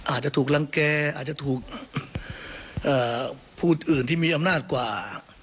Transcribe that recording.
อาจจะถูกรังแก่อาจจะถูกผู้อื่นที่มีอำนาจกว่า